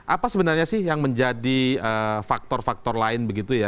apa sebenarnya sih yang menjadi faktor faktor lain begitu ya